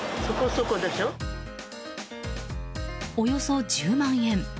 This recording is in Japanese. およそ１０万円。